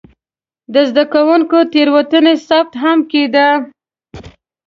د زده کوونکو د تېروتنو ثبت هم کېده.